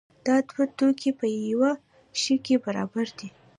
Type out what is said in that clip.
دا دوه توکي په یو شي کې برابر دي.